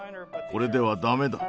これでは駄目だ。